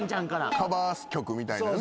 カバー曲みたいなね。